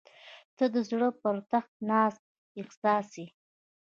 • ته د زړه پر تخت ناست احساس یې.